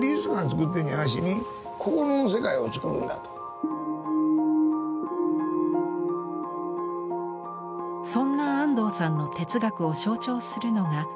そんな安藤さんの哲学を象徴するのが光。